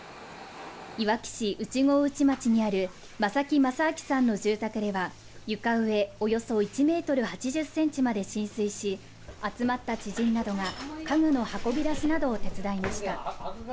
いわき市内郷内町にある正木正明さんの住宅では床上およそ１メートル８０センチまで浸水し、集まった知人などが家具の運び出しなどを手伝いました。